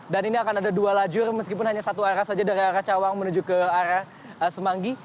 dan ini akan ada dua lajur meskipun hanya satu arah saja dari arah cawang menuju ke arah semanggi